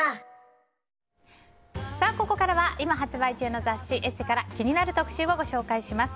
ここからは今発売中の雑誌「ＥＳＳＥ」から気になる特集をご紹介します。